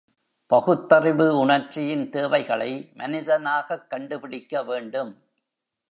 பகுத்தறிவு உணர்ச்சியின் தேவைகளை மனிதனாகக் கண்டுபிடிக்க வேண்டும்!